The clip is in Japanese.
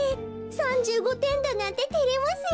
３５てんだなんててれますよ。